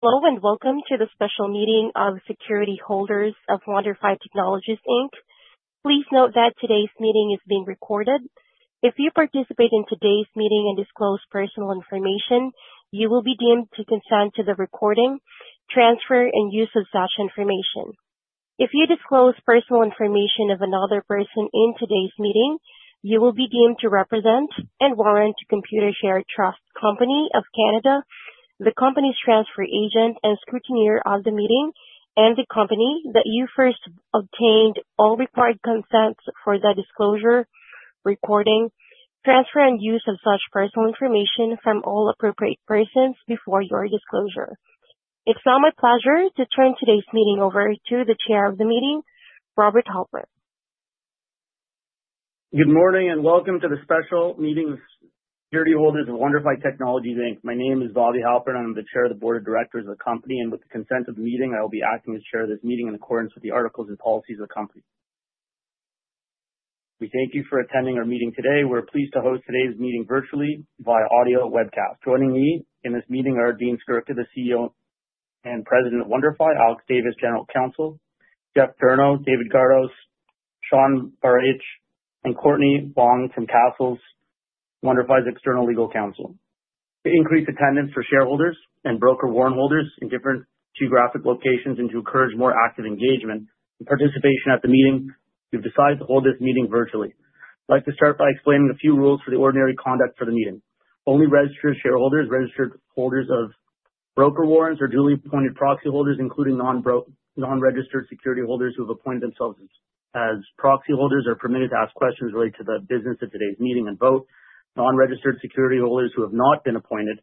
Hello, and welcome to the special meeting of security holders of WonderFi Technologies Inc. Please note that today's meeting is being recorded. If you participate in today's meeting and disclose personal information, you will be deemed to consent to the recording, transfer, and use of such information. If you disclose personal information of another person in today's meeting, you will be deemed to represent and warrant to Computershare Trust Company of Canada, the company's transfer agent and scrutineer of the meeting, and the company that you first obtained all required consents for the disclosure, recording, transfer, and use of such personal information from all appropriate persons before your disclosure. It's now my pleasure to turn today's meeting over to the chair of the meeting, Robert Halpern. Good morning, welcome to the special meeting of security holders of WonderFi Technologies Inc. My name is Bobby Halpern, and I'm the Chair of the Board of Directors of the company. With the consent of the meeting, I will be acting as chair of this meeting in accordance with the articles and policies of the company. We thank you for attending our meeting today. We're pleased to host today's meeting virtually via audio webcast. Joining me in this meeting are Dean Skurka, the CEO and President of WonderFi, Alex Davis, General Counsel, Jeff Durno, David Gardos, Sean Baraich, and Courtney Wong from Cassels, WonderFi's external legal counsel. To increase attendance for shareholders and broker warrant holders in different geographic locations and to encourage more active engagement and participation at the meeting, we've decided to hold this meeting virtually. I'd like to start by explaining a few rules for the ordinary conduct for the meeting. Only registered shareholders, registered holders of broker warrants, or duly appointed proxy holders, including non-registered security holders who have appointed themselves as proxy holders, are permitted to ask questions related to the business of today's meeting and vote. Non-registered security holders who have not been appointed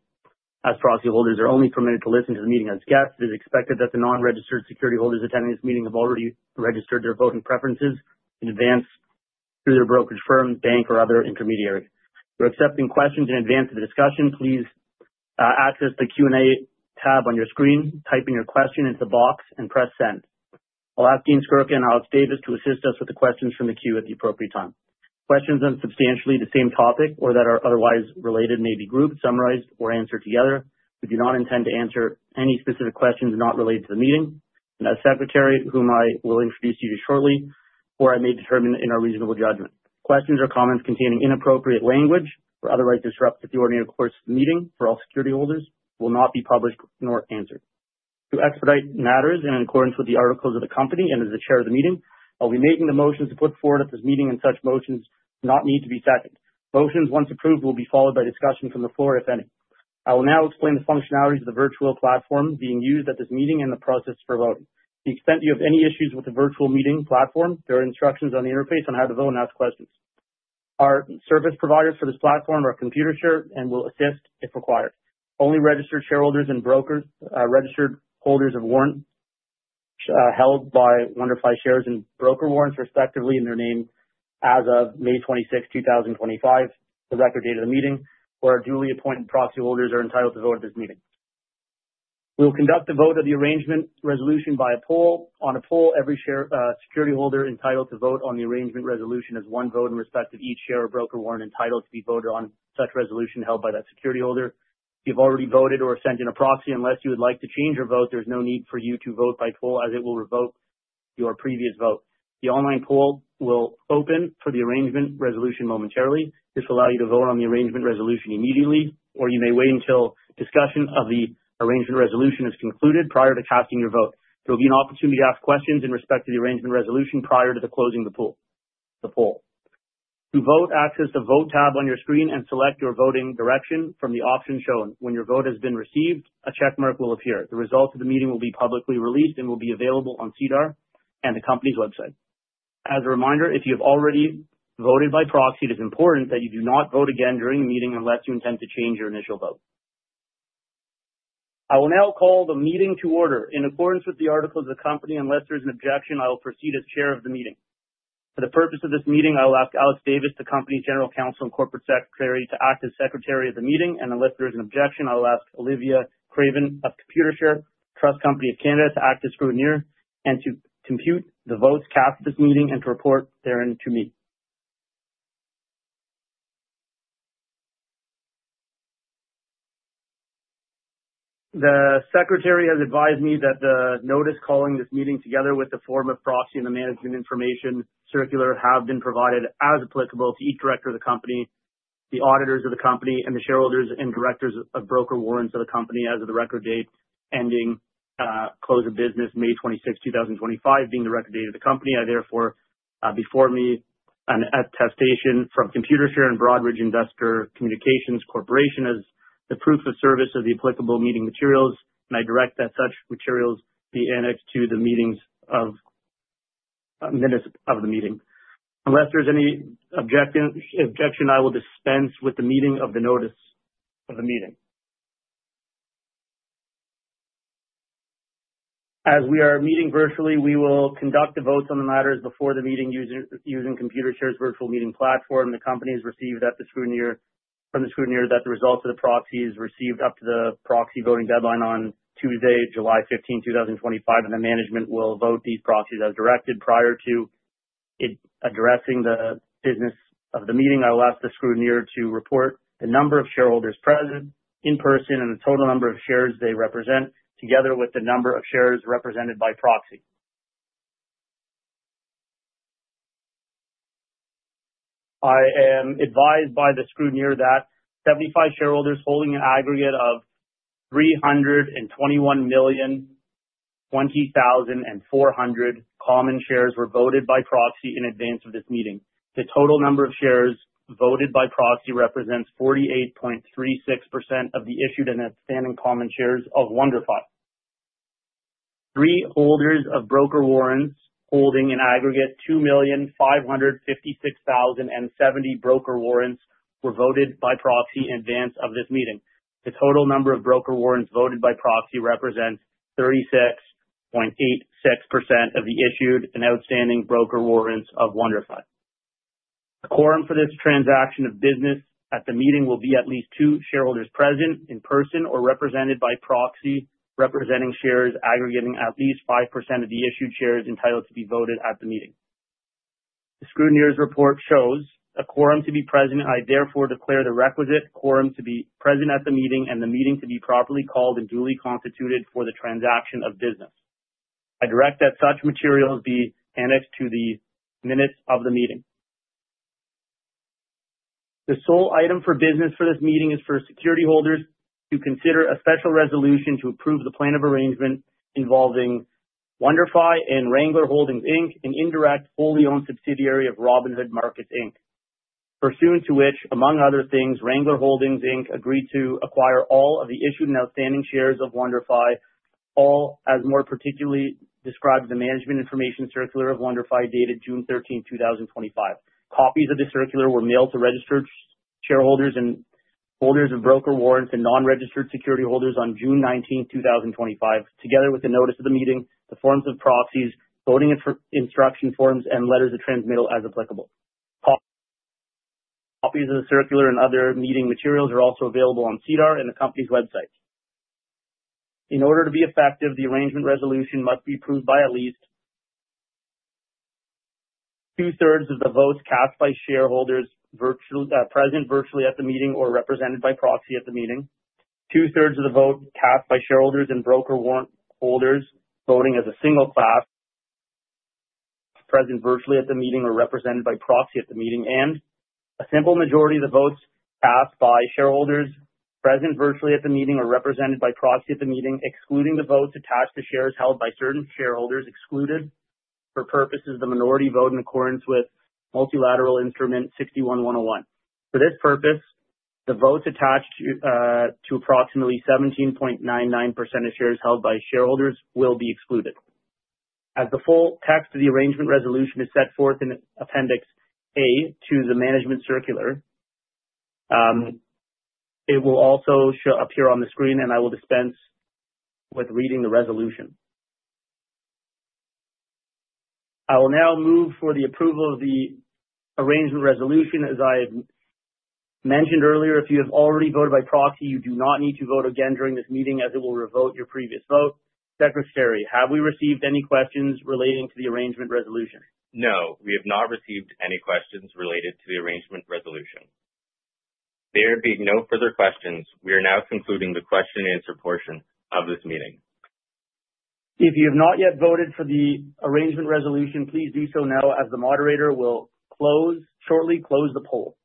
as proxy holders are only permitted to listen to the meeting as guests. It is expected that the non-registered security holders attending this meeting have already registered their voting preferences in advance through their brokerage firm, bank, or other intermediary. We're accepting questions in advance of the discussion. Please access the Q&A tab on your screen, type in your question into the box, and press Send. I'll ask Dean Skurka and Alex Davis to assist us with the questions from the queue at the appropriate time. Questions on substantially the same topic or that are otherwise related may be grouped, summarized, or answered together. We do not intend to answer any specific questions not related to the meeting, and as secretary, whom I will introduce to you shortly, or I may determine in our reasonable judgment. Questions or comments containing inappropriate language or otherwise disrupt the ordinary course of the meeting for all security holders will not be published nor answered. To expedite matters in accordance with the articles of the company and as the chair of the meeting, I'll be making the motions put forward at this meeting, and such motions do not need to be seconded. Motions, once approved, will be followed by discussion from the floor, if any. I will now explain the functionalities of the virtual platform being used at this meeting and the process for voting. To the extent you have any issues with the virtual meeting platform, there are instructions on the interface on how to vote and ask questions. Our service providers for this platform are Computershare and will assist if required. Only registered shareholders and brokers, registered holders of warrants, held by WonderFi shares and broker warrants, respectively, in their name as of May 26th, 2025, the record date of the meeting, or duly appointed proxy holders are entitled to vote at this meeting. We will conduct a vote of the arrangement resolution by a poll. On a poll, every share security holder entitled to vote on the arrangement resolution has one vote in respect of each share or broker warrant entitled to be voted on such resolution held by that security holder. If you've already voted or sent in a proxy, unless you would like to change your vote, there's no need for you to vote by poll as it will revoke your previous vote. The online poll will open for the arrangement resolution momentarily. This will allow you to vote on the arrangement resolution immediately, or you may wait until discussion of the arrangement resolution is concluded prior to casting your vote. There will be an opportunity to ask questions in respect to the arrangement resolution prior to the closing of the poll. To vote, access the Vote tab on your screen and select your voting direction from the options shown. When your vote has been received, a check mark will appear. The results of the meeting will be publicly released and will be available on SEDAR and the company's website. As a reminder, if you have already voted by proxy, it is important that you do not vote again during the meeting unless you intend to change your initial vote. I will now call the meeting to order. In accordance with the articles of the company, unless there is an objection, I will proceed as chair of the meeting. For the purpose of this meeting, I will ask Alex Davis, the company's General Counsel and Corporate Secretary, to act as secretary of the meeting. Unless there is an objection, I will ask Olivia Craven of Computershare Trust Company of Canada to act as scrutineer and to compute the votes cast at this meeting and to report therein to me. The secretary has advised me that the notice calling this meeting, together with the form of proxy and the management information circular, have been provided as applicable to each director of the company, the auditors of the company, and the shareholders and directors of broker warrants of the company as of the record date ending, close of business May 26th, 2025, being the record date of the company. I therefore, before me an attestation from Computershare and Broadridge Investor Communications Corporation as the proof of service of the applicable meeting materials, and I direct that such materials be annexed to the minutes of the meeting. Unless there's any objection, I will dispense with the notice of the meeting. As we are meeting virtually, we will conduct the votes on the matters before the meeting using Computershare's virtual meeting platform. The company has received from the scrutineer that the results of the proxy is received up to the proxy voting deadline on Tuesday, July 15th, 2025. The management will vote these proxies as directed. Prior to addressing the business of the meeting, I'll ask the scrutineer to report the number of shareholders present in person and the total number of shares they represent, together with the number of shares represented by proxy. I am advised by the scrutineer that 75 shareholders holding an aggregate of 321,020,400 common shares were voted by proxy in advance of this meeting. The total number of shares voted by proxy represents 48.36% of the issued and outstanding common shares of WonderFi. Three holders of broker warrants holding an aggregate 2,556,070 broker warrants were voted by proxy in advance of this meeting. The total number of broker warrants voted by proxy represents 36.86% of the issued and outstanding broker warrants of WonderFi. A quorum for this transaction of business at the meeting will be at least two shareholders present in person or represented by proxy, representing shares aggregating at least 5% of the issued shares entitled to be voted at the meeting. The scrutineer's report shows a quorum to be present. I therefore declare the requisite quorum to be present at the meeting and the meeting to be properly called and duly constituted for the transaction of business. I direct that such materials be annexed to the minutes of the meeting. The sole item for business for this meeting is for security holders to consider a special resolution to approve the plan of arrangement involving WonderFi and Wrangler Holdings Inc. An indirect fully owned subsidiary of Robinhood Markets, Inc. Pursuant to which, among other things, Wrangler Holdings Inc. agreed to acquire all of the issued and outstanding shares of WonderFi, all as more particularly described the management information circular of WonderFi dated June 13th, 2025. Copies of the circular were mailed to registered shareholders and holders of broker warrants and non-registered security holders on June 19th, 2025, together with the notice of the meeting, the forms of proxies, voting instruction forms, and letters of transmittal as applicable. Co-copies of the circular and other meeting materials are also available on SEDAR and the company's website. In order to be effective, the arrangement resolution must be approved by at least two-thirds of the votes cast by shareholders present virtually at the meeting or represented by proxy at the meeting. Two-thirds of the vote cast by shareholders and broker warrant holders voting as a single class. Present virtually at the meeting or represented by proxy at the meeting. A simple majority of the votes cast by shareholders present virtually at the meeting or represented by proxy at the meeting, excluding the votes attached to shares held by certain shareholders excluded for purposes of the minority vote in accordance with Multilateral Instrument 61-101. For this purpose, the votes attached to approximately 17.99% of shares held by shareholders will be excluded. As the full text of the arrangement resolution is set forth in Appendix A to the management circular. It will also appear on the screen, and I will dispense with reading the resolution. I will now move for the approval of the arrangement resolution. As I had mentioned earlier, if you have already voted by proxy, you do not need to vote again during this meeting as it will revoke your previous vote. Secretary, have we received any questions relating to the arrangement resolution? No, we have not received any questions related to the arrangement resolution. There being no further questions, we are now concluding the question and answer portion of this meeting. If you have not yet voted for the arrangement resolution, please do so now as the moderator will shortly close the poll.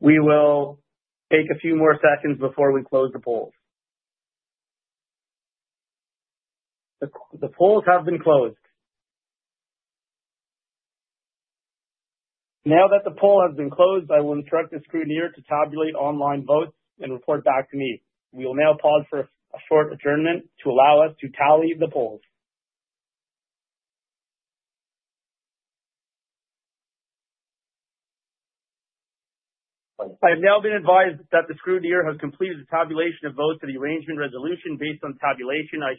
We will take a few more seconds before we close the polls. The polls have been closed. Now that the poll has been closed, I will instruct the scrutineer to tabulate online votes and report back to me. We will now pause for a short adjournment to allow us to tally the polls. I have now been advised that the scrutineer has completed the tabulation of votes for the arrangement resolution. Based on tabulation, I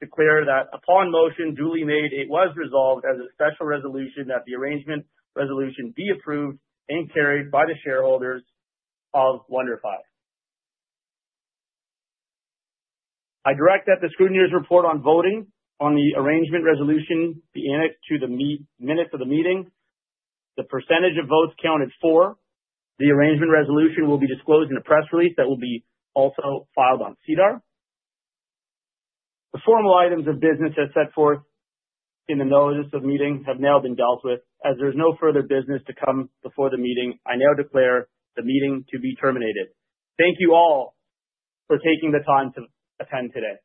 hereby declare that upon motion duly made, it was resolved as a special resolution that the arrangement resolution be approved and carried by the shareholders of WonderFi. I direct that the scrutineer's report on voting on the arrangement resolution be annexed to the minutes of the meeting. The percentage of votes counted for the arrangement resolution will be disclosed in a press release that will be also filed on SEDAR+. The formal items of business, as set forth in the notice of meeting, have now been dealt with. As there's no further business to come before the meeting, I now declare the meeting to be terminated. Thank you all for taking the time to attend today.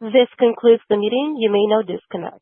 This concludes the meeting. You may now disconnect.